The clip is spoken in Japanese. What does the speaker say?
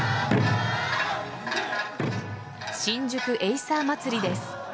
新宿エイサー祭りです。